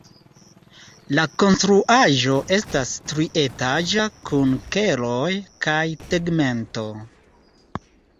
La konstruaĵo estas trietaĝa kun keloj kaj tegmento.